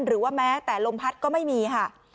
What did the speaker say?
หรือว่าแม้แต่ลมพัดก็ไม่มีค่ะ